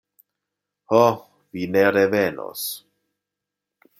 Ho, vi ne revenos...